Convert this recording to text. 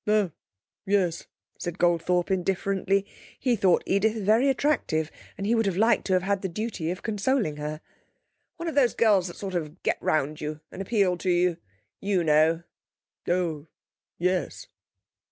'Oh yes,' said Goldthorpe indifferently. He thought Edith very attractive, and would have liked to have the duty of consoling her. 'One of those girls that sort of get round you, and appeal to you you know.' 'Oh yes.'